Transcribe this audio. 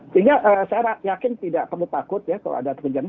sehingga saya yakin tidak perlu takut ya kalau ada terjadi